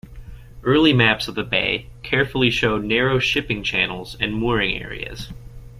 Early maps of the bay carefully show narrow shipping channels and mooring areas.